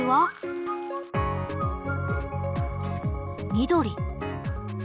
緑。